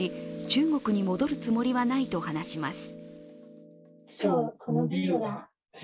中国に戻るつもりはないと話します。